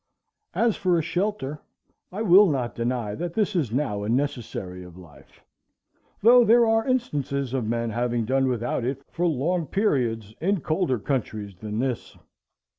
As for a Shelter, I will not deny that this is now a necessary of life, though there are instances of men having done without it for long periods in colder countries than this.